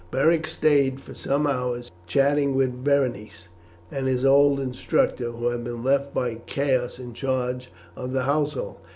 Beric stayed for some hours chatting with Berenice, and his old instructor, who had been left by Caius in charge of the household.